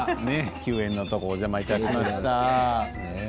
休園のところ、お邪魔いたしました。